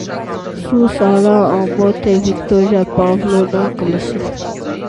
Սուս արա, ամոթ է, Վիկտորիա Պավլովնան կլսի: